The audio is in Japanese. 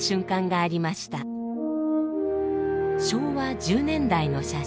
昭和１０年代の写真。